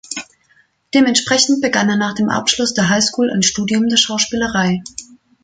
Dementsprechend begann er nach dem Abschluss der High School ein Studium der Schauspielerei.